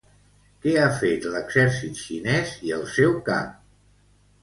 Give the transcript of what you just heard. Què ha fet l'exèrcit xinès i el seu cap?